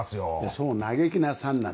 そう嘆きなさんなって。